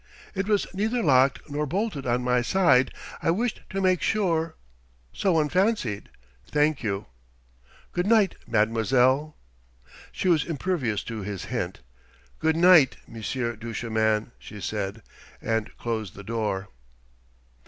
"It was neither locked nor bolted on my side. I wished to make sure " "So one fancied. Thank you. Good night, mademoiselle...?" She was impervious to his hint. "Good night, Monsieur Duchemin," she said, and closed the door.